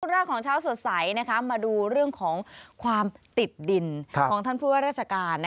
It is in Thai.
แรกของเช้าสดใสมาดูเรื่องของความติดดินของท่านผู้ว่าราชการ